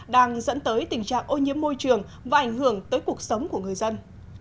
đang dẫn tới tình trạng ô nhiễm môi trường và ảnh hưởng tới cuộc sống của người dân